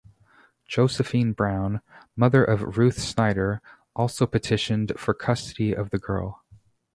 Josephine Brown, mother of Ruth Snyder, also petitioned for custody of the girl.